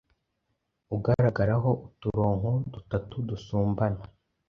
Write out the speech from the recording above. ugaragaraho uturonko dutatu dusumbana,